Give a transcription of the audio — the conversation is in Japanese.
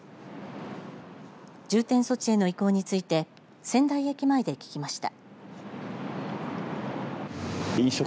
重点措置への移行について仙台駅前で聞きました。